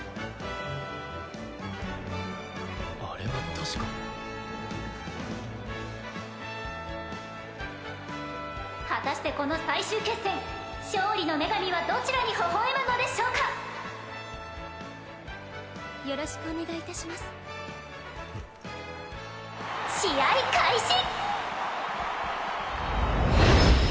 あれは確か果たしてこの最終決戦勝利の女神はどちらにほほ笑むのでしょうかよろしくお願いいたします試合開始！